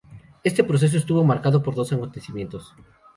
Este proceso estuvo marcado por dos acontecimientos.